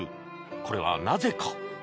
これはなぜか？